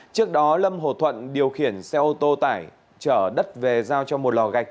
trước đó lâm hồ thuận điều khiển xe ô tô tải trở đất về giao cho một lò gạch